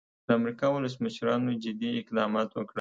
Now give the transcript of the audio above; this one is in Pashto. د امریکا ولسمشرانو جدي اقدامات وکړل.